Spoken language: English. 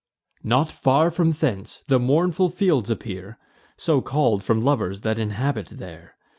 Not far from thence, the Mournful Fields appear So call'd from lovers that inhabit there.